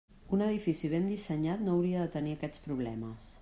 Un edifici ben dissenyat no hauria de tenir aquests problemes.